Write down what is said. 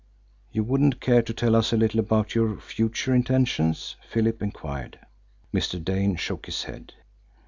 "You wouldn't care to tell us a little about your future intentions?" Philip enquired. Mr. Dane shook his head.